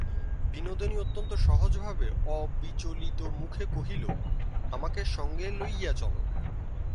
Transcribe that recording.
বিনোদিনী অত্যন্ত সহজভাবে অবিচলিত-মুখে কহিল, আমাকে সঙ্গে লইয়া চলো।